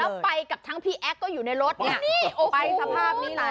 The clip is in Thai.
แล้วไปกับทั้งพี่แอ๊กก็อยู่ในรถเนี่ยไปสภาพนี้เลย